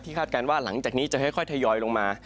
คาดการณ์ว่าหลังจากนี้จะค่อยทยอยลงมา